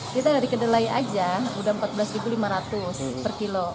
kita dari kedelai aja udah rp empat belas lima ratus per kilo